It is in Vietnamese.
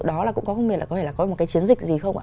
đó là cũng có nghĩa là có một cái chiến dịch gì không ạ